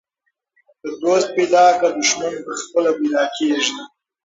ته دوست پیدا که، دښمن پخپله پیدا کیږي